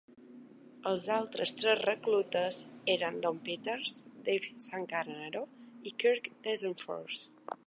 Els altres tres reclutes eren Don Peters, Dave Zancanaro i Kirk Dressendorfer.